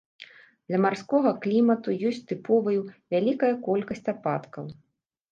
Для марскога клімату ёсць тыповаю вялікая колькасць ападкаў.